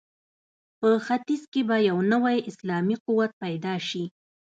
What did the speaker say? په ختیځ کې به یو نوی اسلامي قوت پیدا شي.